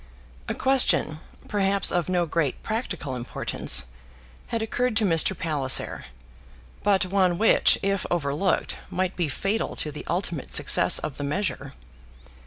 A question, perhaps of no great practical importance, had occurred to Mr. Palliser, but one which, if overlooked, might be fatal to the ultimate success of the measure.